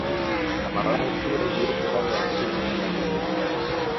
Na malawi pia iliyopo upande wa Kusini mwa Tanzania